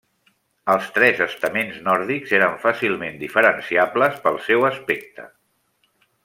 Els tres estaments nòrdics eren fàcilment diferenciables pel seu aspecte.